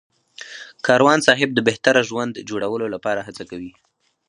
کاروان صاحب د بهتره ژوند جوړولو لپاره هڅه کوي.